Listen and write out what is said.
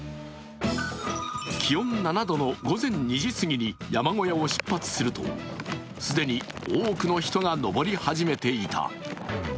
気温７度の午前２時過ぎに山小屋を出発すると既に多くの人が登り始めていた。